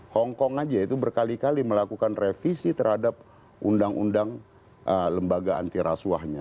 hongkong aja itu berkali kali melakukan revisi terhadap undang undang lembaga antirasuahnya